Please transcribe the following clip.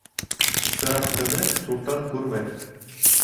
Сыраҡсыны суртан күрмәҫ.